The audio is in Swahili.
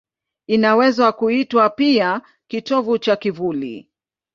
Inaweza kuitwa pia kitovu cha kivuli.